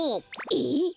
えっ！？